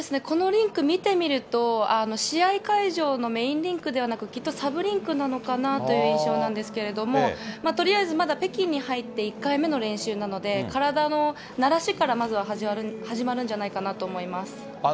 このリンク見てみると、試合会場のメインリンクではなく、きっとサブリンクなのかなという印象なんですけれども、とりあえず、まだ北京に入って１回目の練習なので、体のならしからまずは始まるんじゃないかなと思います。